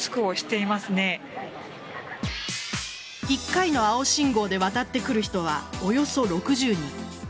１回の青信号で渡ってくる人はおよそ６０人。